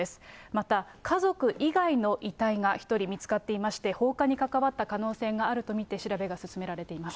また家族以外の遺体が１人見つかっていまして、放火に関わった可能性があると見て調べが進められています。